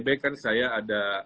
di bnp kan saya ada